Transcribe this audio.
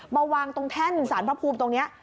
มาวางตรงแท่นสารพระภูมิตรงนี้